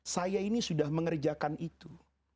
saya ini sudah mengerjakan itu